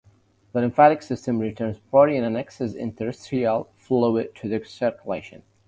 The lymphatic system returns protein and excess interstitial fluid to the circulation.